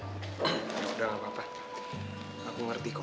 sudah gak apa apa aku ngerti kok